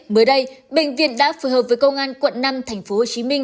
mới đây bệnh viện đã phù hợp với công an quận năm tp hcm